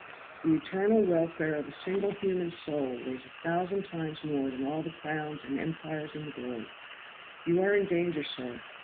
The eternal welfare of a single human soul weighs a thousand times more than all the crowns and empires in the globe. You are in danger, sir.